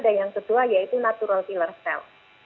dan yang kedua yaitu natural killer cell